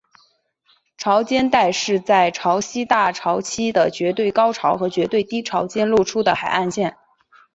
潮间带是在潮汐大潮期的绝对高潮和绝对低潮间露出的海岸。